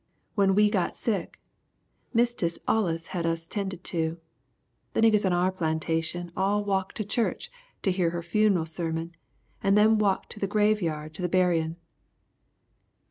When we got sick, Mistess allus had us tended to. The niggers on our plantation all walked to church to hear her funeral sermon and then walked to the graveyard to the buryin'."